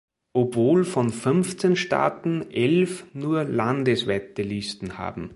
Obwohl von fünfzehn Staaten elf nur landesweite Listen haben.